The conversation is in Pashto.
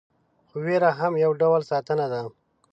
خو ویره هم یو ډول ساتنه ده.